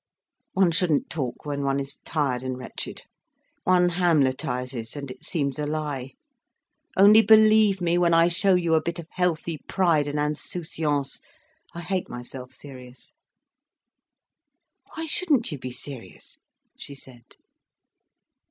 One shouldn't talk when one is tired and wretched. One Hamletises, and it seems a lie. Only believe me when I show you a bit of healthy pride and insouciance. I hate myself serious." "Why shouldn't you be serious?" she said.